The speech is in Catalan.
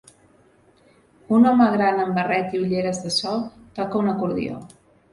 Un home gran amb barret i ulleres de sol toca un acordió.